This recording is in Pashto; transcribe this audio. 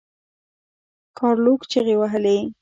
ګارلوک چیغې وهلې.